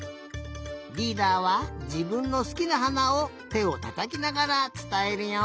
リーダーはじぶんのすきなはなをてをたたきながらつたえるよ。